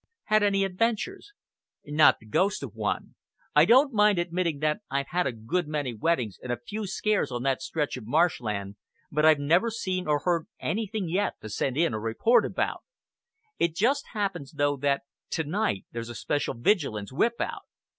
"Had any adventures?" "Not the ghost of one. I don't mind admitting that I've had a good many wettings and a few scares on that stretch of marshland, but I've never seen or heard anything yet to send in a report about. It just happens, though, that to night there's a special vigilance whip out."